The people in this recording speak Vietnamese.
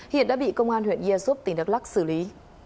hiện đã bị công an huyện gia súp tỉnh đắk lắc xử lý